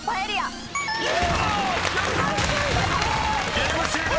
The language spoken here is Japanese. ［ゲーム終了！